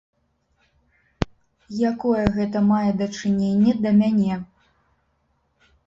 Якое гэта мае дачыненне да мяне?